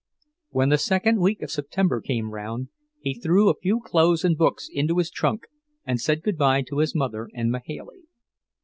When the second week of September came round, he threw a few clothes and books into his trunk and said good bye to his mother and Mahailey.